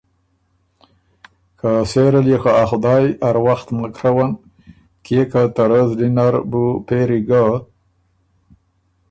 که سېره ليې خه ا خدای اروخت مک ڒؤن کيې که ته رۀ زلی نر بُو پېري ګۀ